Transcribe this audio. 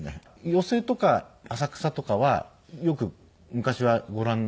寄席とか浅草とかはよく昔はご覧になって。